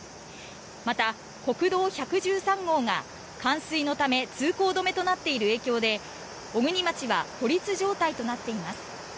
また、国道１１３号が冠水のため通行止めとなっている影響で小国町は孤立状態となっています。